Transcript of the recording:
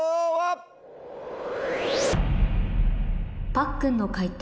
パックンの解答